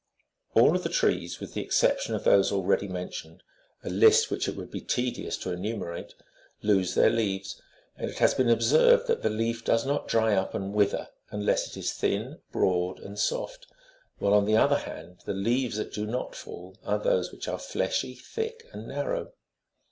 Chap. 35.] TREES WITH LEAVES OF VARIOUS COLOURS. 37 O tioned — a list which it would be tedious to enumerate — lose their leaves, and it has been observed that the leaf does not dry up and wither unless it is thin, broad, and soft ; while, on the other hand, the leaves that do not fall are those which are fleshy, thick, and narrow.